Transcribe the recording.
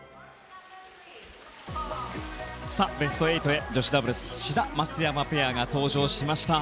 ベスト８へ女子ダブルス、志田、松山ペアが登場しました。